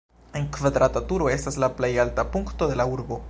La kvadrata turo estas la plej alta punkto de la urbo.